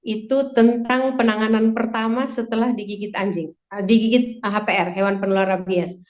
itu tentang penanganan pertama setelah digigit anjing digigit hpr hewan penular rabies